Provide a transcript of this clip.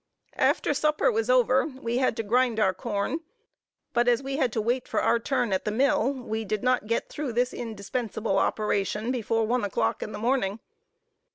After supper was over, we had to grind our corn; but as we had to wait for our turn at the mill, we did not get through this indispensable operation before one o'clock in the morning.